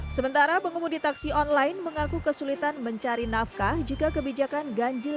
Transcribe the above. sementara pengumum di taksi online mengaku kesulitan mencari nafkah juga kebijakan ganjil